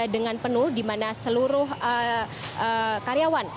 dengan penuh di mana seluruh karyawan